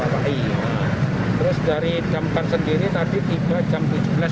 terus dari jam empat sendiri tadi tiba jam tujuh belas lima belas